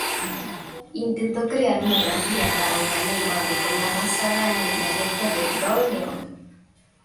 Intentó crear una grafía para la lengua bretona basada en el dialecto de Bro-Leon.